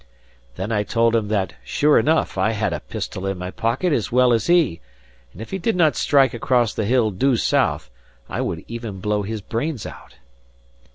Then I told him that, sure enough, I had a pistol in my pocket as well as he, and if he did not strike across the hill due south I would even blow his brains out.